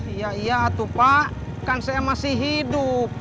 iya iya tuh pak kan saya masih hidup